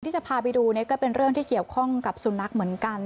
ที่จะพาไปดูเนี่ยก็เป็นเรื่องที่เกี่ยวข้องกับสุนัขเหมือนกัน